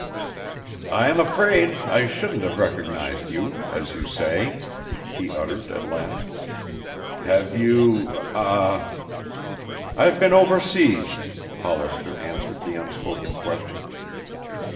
"I'm afraid I shouldn't have recognized you, as you say," he uttered, at last. "Have you ah " "I've been overseas," Hollister answered the unspoken question.